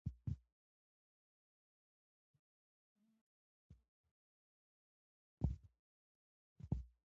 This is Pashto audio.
د افغانستان د موقعیت د افغانستان د انرژۍ سکتور برخه ده.